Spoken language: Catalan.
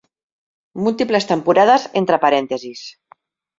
Múltiples temporades entre parèntesis.